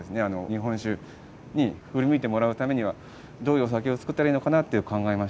日本酒に振り向いてもらうためにはどういうお酒を造ったらいいのかなって考えまして。